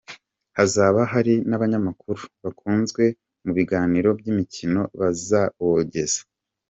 Hazaba hari n’abanyamakuru bakunzwe mu biganiro by’imikino, bazawogeza.